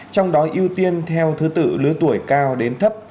trong đó ưu tiên theo thứ tự lứa tuổi cao đến thấp